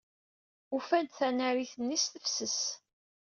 Ufan-d tanarit-nni s tefses.